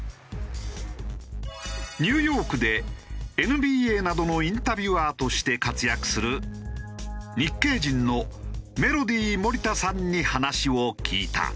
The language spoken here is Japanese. ニューヨークでＮＢＡなどのインタビュアーとして活躍する日系人のメロディーモリタさんに話を聞いた。